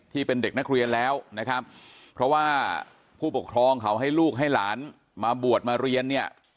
ที่เป็นเด็กนักเรียนแล้วนะครับเพราะว่าผู้ปกครองเขาให้ลูกให้หลานมาบวชมาเรียนเนี่ย